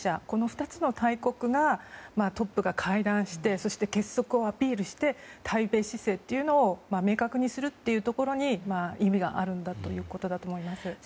この２つの大国のトップが会談してそして結束をアピールして対米姿勢というのを明確にするというところに意味があるんだということだと思います。